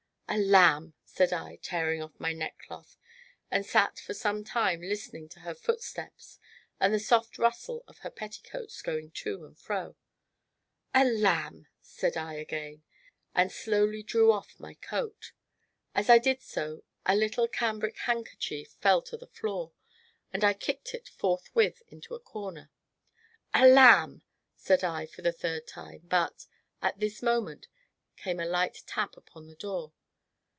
"A lamb!" said I, tearing off my neckcloth, and sat, for some time listening to her footstep and the soft rustle of her petticoats going to and fro. "A lamb!" said I again, and slowly drew off my coat. As I did so, a little cambric handkerchief fell to the floor, and I kicked it, forthwith, into a corner. "A lamb!" said I, for the third time, but, at this moment, came a light tap upon the door.